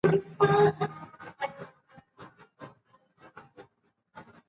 دا زموږ د ټولنې واقعیتونه دي.